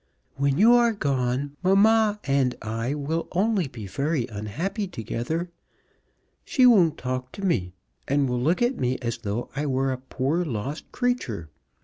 When you are gone mamma and I will only be very unhappy together. She won't talk to me, and will look at me as though I were a poor lost creature.